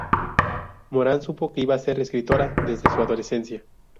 Moran supo que iba a ser escritora desde su adolescencia.